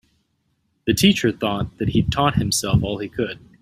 The teacher thought that he'd taught himself all he could.